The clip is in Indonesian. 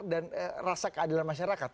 dan rasa keadilan masyarakat